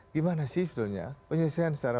gimana sih penyelesaian secara